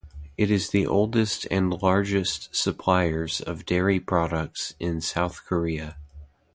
It is the oldest and largest suppliers of dairy products in South Korea.